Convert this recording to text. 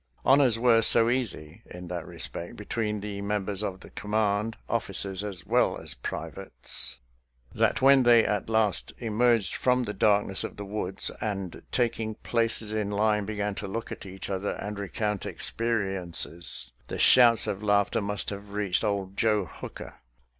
" Honors were so easy" in that respect between the members of the command, ofiBcers as well as privates, that A BATTLE "ABOVE THE CLOUDS" 173 when they at last emerged from the darkness of the woods, and, taking places in line, began to look at each other and recount experiences, the shouts of laughter must have reached old Joe Hooker.